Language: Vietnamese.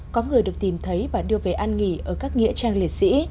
có người được tìm thấy và đưa về an nghỉ ở các nghĩa trang liệt sĩ